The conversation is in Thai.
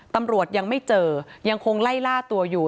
ตำรวจยังไม่เจอยังคงไล่ล่าตัวอยู่